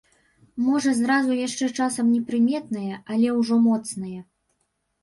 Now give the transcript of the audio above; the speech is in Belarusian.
Можа зразу яшчэ часам непрыметнае, але ўжо моцнае.